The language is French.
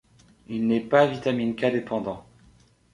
Il n'est pas vitamine K dépendant.